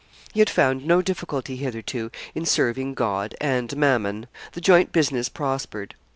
He had found no difficulty hitherto in serving God and Mammon. The joint business prospered.